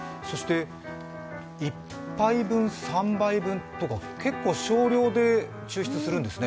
１杯分、３杯分とか、結構少量で抽出するんですね。